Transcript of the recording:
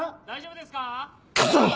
クソッ。